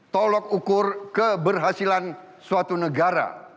tolok ukur keberhasilan suatu negara